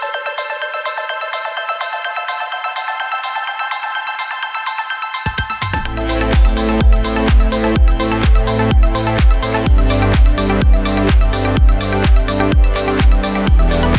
lagi pada jualan